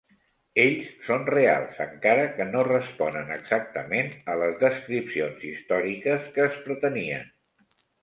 Ells són reals encara que no responen exactament a les descripcions històriques que es pretenien.